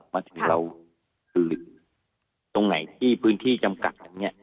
มาถึงเราตรงไหนที่พื้นที่จำกัด